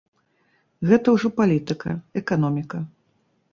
Гэта ўжо палітыка, эканоміка.